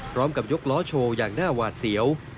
พร้อมกับยกล้อโชว์อย่างหน้าหวาดเสียว